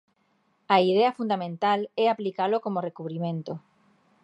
A idea fundamental é aplicalo como recubrimento.